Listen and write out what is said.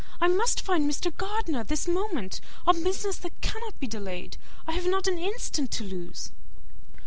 I must find Mr. Gardiner this moment on business that cannot be delayed; I have not an instant to lose."